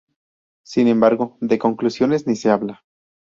Sin embargo, de conclusiones ni se habla.